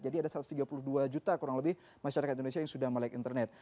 jadi ada satu ratus tiga puluh dua juta kurang lebih masyarakat indonesia yang sudah melek internet